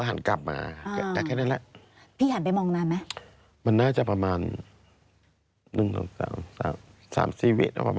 ประมาณ๑๒๓๔๓๔วิตอ่ะประมาณนี้